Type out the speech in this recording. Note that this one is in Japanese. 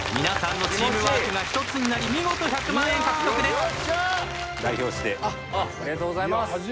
皆さんのチームワークが１つになり見事１００万円獲得です。